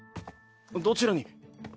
どちらに？